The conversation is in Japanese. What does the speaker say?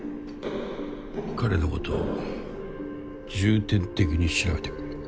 彼のことを重点的に調べてくれ。